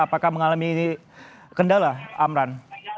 apakah mengalami kendala amran